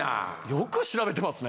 よく調べてますね。